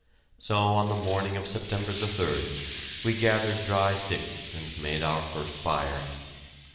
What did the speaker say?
So on the morning of September 3d, we gathered dry sticks and made our first fire.